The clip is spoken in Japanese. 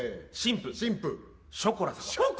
新婦、ショコラ？